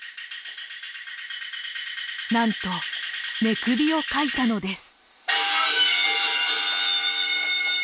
なんと寝首をかいたのです。